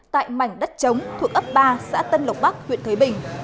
tại mảnh đất chống thuộc ấp ba xã tân lộc bắc huyện thới bình